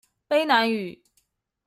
卑南語